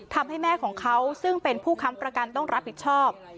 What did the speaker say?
ทำให้แม่ของเขาซึ่งเป็นผู้ค้ำประกันต้องรับผิดชอบ